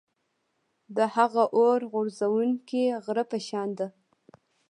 د هغه اور غورځوونکي غره په شان ده.